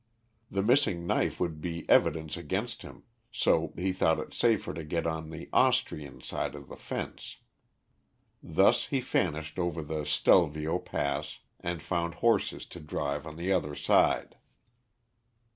The missing knife would be evidence against him, so he thought it safer to get on the Austrian side of the fence. Thus he vanished over the Stelvio pass, and found horses to drive on the other side.